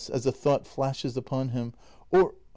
[As a thought flashes upon him.] Or